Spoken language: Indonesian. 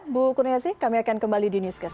bu kurniasi kami akan kembali di newscast